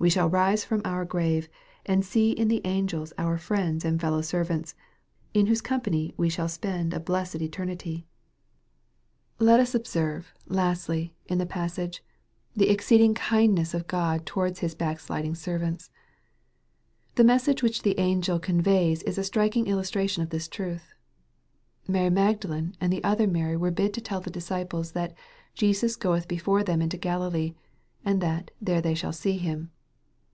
We shall rise from our grave, and see in the angels our friends and fellow servants, in whose company we shall spend a blessed eternity. MARK, CHAP. XVI. 357 Let us observe, lastly, in this passage, the exceeding kindness of God towards his backsliding servants. The message which the angel conveys is a striking illustration of this truth. Mary Magdalene and the other Mary were bid to tell the disciples that " Jesus goeth before them into G alilee," and that " there they shall see him."